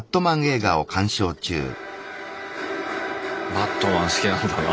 バットマン好きなんだな。